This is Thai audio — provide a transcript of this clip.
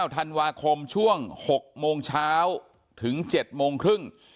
ธันวาคมช่วง๖โมงเช้าถึง๗โมงครึ่ง